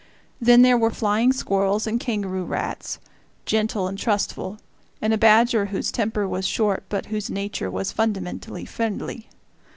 Then there were flying squirrels, and kangaroo rats, gentle and trustful, and a badger whose temper was short but whose nature was fundamentally friendly.